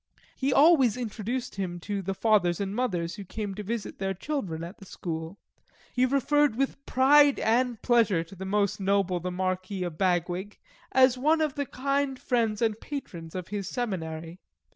He always introduced him to fathers and mothers who came to visit their children at the school. He referred with pride and pleasure to the most noble the Marquis of Bagwig, as one of the kind friends and patrons of his Seminary.